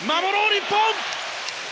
日本。